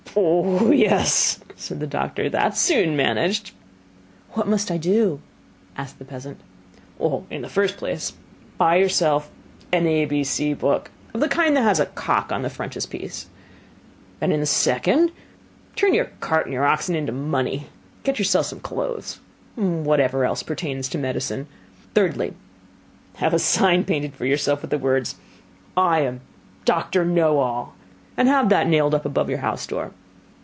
'Oh, yes,' said the doctor, 'that is soon managed.' 'What must I do?' asked the peasant. 'In the first place buy yourself an A B C book of the kind which has a cock on the frontispiece; in the second, turn your cart and your two oxen into money, and get yourself some clothes, and whatsoever else pertains to medicine; thirdly, have a sign painted for yourself with the words: "I am Doctor Knowall," and have that nailed up above your house door.